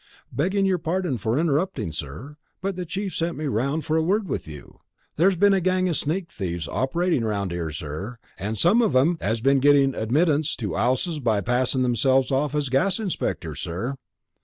"Begging your pardon for interrupting, sir, but the chief sent me around for a word with you. There's been a gang o' sneak thieves operating 'round 'ere, sir, and some of 'em 'as been getting admittance to 'ouses by passin' themselves off as gas inspectors, sir."